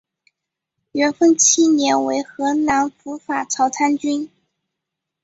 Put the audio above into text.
元丰七年为河南府法曹参军。